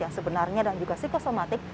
yang sebenarnya dan juga psikosomatik